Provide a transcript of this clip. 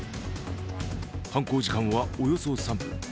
犯行時間はおよそ３分。